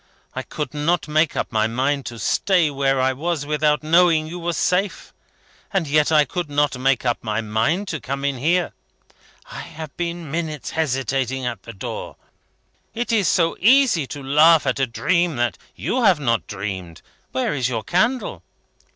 I could not make up my mind to stay where I was without knowing you were safe; and yet I could not make up my mind to come in here. I have been minutes hesitating at the door. It is so easy to laugh at a dream that you have not dreamed. Where is your candle?"